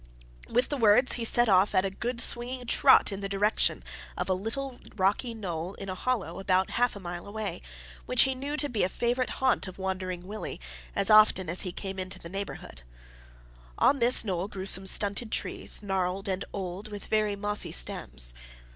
With the words he set off at a good swinging trot in the direction of a little rocky knoll in a hollow about half a mile away, which he knew to be a favourite haunt of Wandering Willie, as often as he came into the neighbourhood. On this knoll grew some stunted trees, gnarled and old, with very mossy stems.